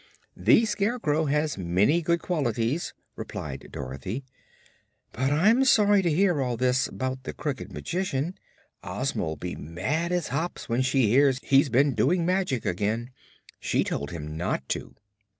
"The Scarecrow has many good qualities," replied Dorothy. "But I'm sorry to hear all this 'bout the Crooked Magician. Ozma'll be mad as hops when she hears he's been doing magic again. She told him not to."